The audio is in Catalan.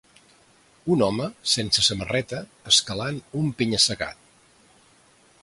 un home sense samarreta escalant un penya-segat.